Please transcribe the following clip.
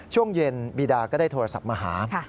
ช่วงเย็นบีดาก็ได้โทรศัพท์มาหา